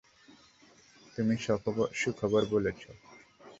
তুমি সুখবর বলেছ।